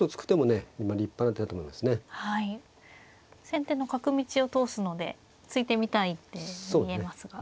先手の角道を通すので突いてみたい一手に見えますが。